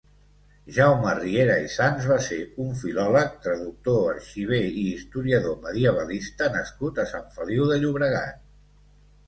Jaume Riera i Sans va ser un filòleg, traductor, arxiver i historiador medievalista nascut a Sant Feliu de Llobregat.